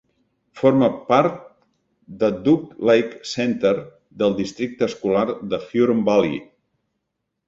Forma part de Duck Lake Center del districte escolar de Huron Valley.